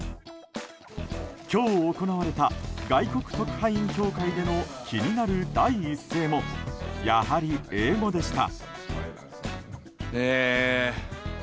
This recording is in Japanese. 今日行われた外国特派員協会での気になる第一声もやはり英語でした。